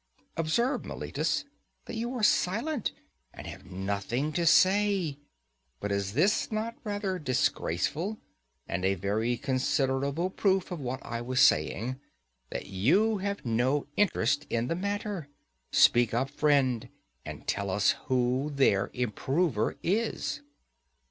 —Observe, Meletus, that you are silent, and have nothing to say. But is not this rather disgraceful, and a very considerable proof of what I was saying, that you have no interest in the matter? Speak up, friend, and tell us who their improver is.